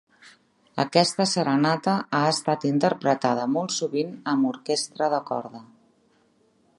Aquesta serenata ha estat interpretada molt sovint amb orquestra de corda.